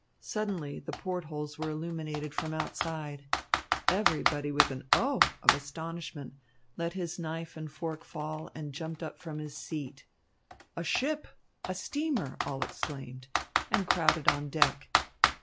Suddenly the port holes were illuminated from outside. Everybody, with an "Oh!" of astonishment, let his knife and fork fall and jumped up from his seat. "A ship!" "A steamer!" all exclaimed, and crowded on deck.